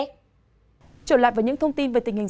trở lại với những thông tin về tình hình